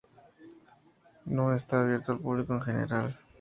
No está abierto al público en general.